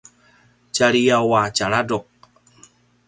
djaljaw a tjaladruq